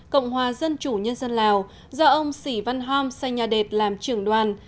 cộng hòa dân chủ nhân dân lào do ông sĩ văn hôm sanh nha đệt làm trưởng đoàn